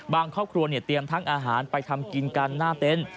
ครอบครัวเตรียมทั้งอาหารไปทำกินกันหน้าเต็นต์